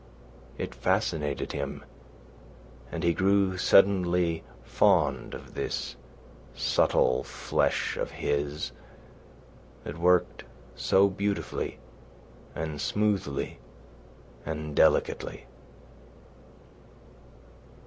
It fascinated him, and he grew suddenly fond of this subtle flesh of his that worked so beautifully and smoothly and delicately.